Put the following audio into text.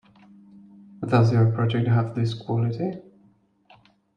Does your project have this quality?